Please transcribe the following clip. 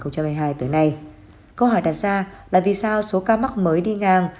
câu hỏi đặt ra là vì sao số ca mắc mới đi ngang